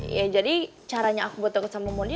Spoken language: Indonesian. ya jadi caranya aku bertemu sama monde